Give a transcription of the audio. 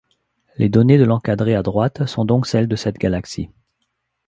Les données de l'encadré à droite sont donc celles de cette galaxie.